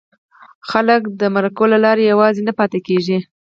خلک دې د مرکو له لارې یوازې نه پاتې کېږي.